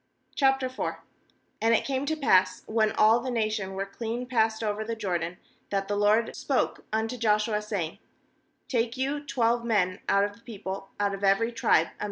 A And it came to pass, when all the nation were clean passed over the Jordan, that the LORD spoke unto Joshua, saying: *'Take you twelve men out of the people, out of every tribe a Tna.